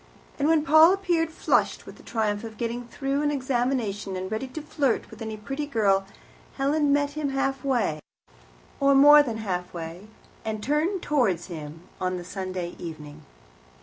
And when Paul appeared, flushed with the triumph of getting through an examination, and ready to flirt with any pretty girl, Helen met him halfway, or more than halfway, and turned towards him on the Sunday evening.